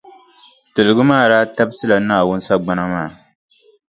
Tiligi maa daa tabisila Naawuni sagbana maa.